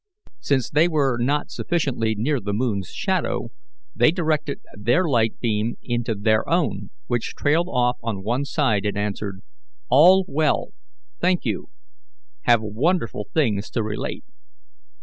Since they were not sufficiently near the moon's shadow, they directed their light beam into their own, which trailed off on one side, and answered: "All well, thank you. Have wonderful things to relate."